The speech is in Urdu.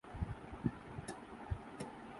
وہ جنگل میں بھٹک رہی تھی کئی سال سپین میں رہیں